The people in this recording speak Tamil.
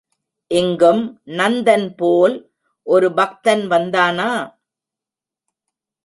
இங்கும் நந்தன் போல் ஒரு பக்தன் வந்தானா?